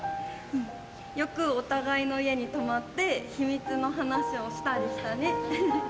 よくお互いの家に泊まって秘密の話をしたりしたね。